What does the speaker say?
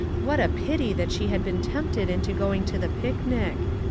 What a pity that she had been tempted into going to the picnic